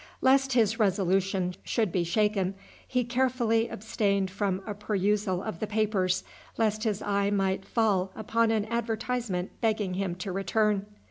Lest his resolution should be shaken he carefully abstained from a perusal of the papers, lest his eye might fall upon an advertisement begging him to return.